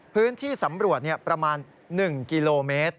พื้นที่สำรวจประมาณ๑กิโลเมตร